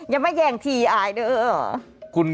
อย่ามาแย่งทีอายเด้อ